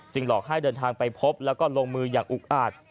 จึงหลอกให้เดินทางไปพบและลงมืออย่างอุ๊กอาด